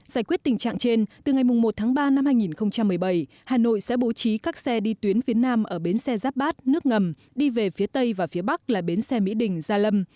giải quyết tình trạng trên từ ngày một tháng ba năm hai nghìn một mươi bảy hà nội sẽ bố trí các xe đi tuyến phía nam ở bến xe giáp bát nước ngầm đi về phía tây và phía bắc là bến xe mỹ đình gia lâm